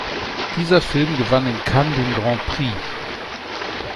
Dieser Film gewann in Cannes den Grand Prix.